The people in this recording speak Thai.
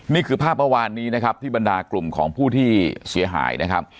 นี่คือภาพเมื่อวานนี้นะครับที่บรรดากลุ่มของผู้ที่เสียหายนะครับ